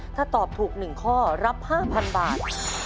ถ้าตอบถูก๑ข้อรับ๕๐๐๐บาท